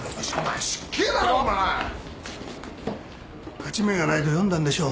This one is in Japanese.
勝ち目がないと読んだんでしょう。